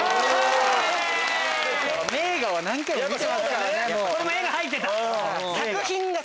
名画は何回も見てますからね。